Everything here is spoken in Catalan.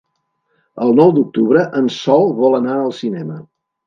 El nou d'octubre en Sol vol anar al cinema.